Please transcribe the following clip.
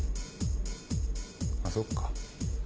あっそっか。